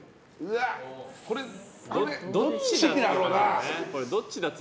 これ、どっちだろうな。